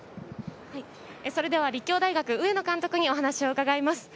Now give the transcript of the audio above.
立教大学・上野監督にお話しを伺います。